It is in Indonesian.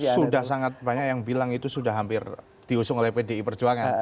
sudah sangat banyak yang bilang itu sudah hampir diusung oleh pdi perjuangan